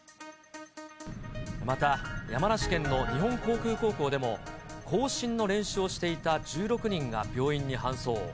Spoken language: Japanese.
また、山梨県の日本航空高校でも、行進の練習をしていた１６人が病院に搬送。